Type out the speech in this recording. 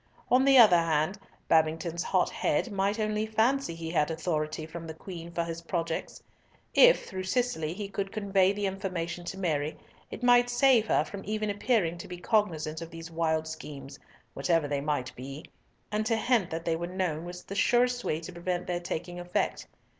On the other hand, Babington's hot head might only fancy he had authority from the Queen for his projects. If, through Cicely, he could convey the information to Mary, it might save her from even appearing to be cognisant of these wild schemes, whatever they might be, and to hint that they were known was the surest way to prevent their taking effect.